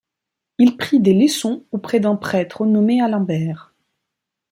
Il prit des leçons auprès d'un prêtre nommé Alambert.